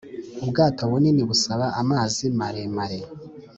ubwato bunini busaba amazi maremare.